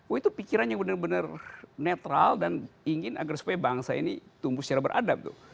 oh itu pikiran yang benar benar netral dan ingin agar supaya bangsa ini tumbuh secara beradab tuh